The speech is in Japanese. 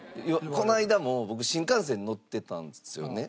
この間も僕新幹線に乗ってたんですよね。